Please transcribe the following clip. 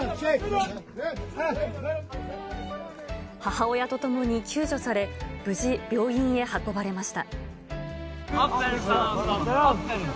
母親と共に救助され、無事、病院へ運ばれました。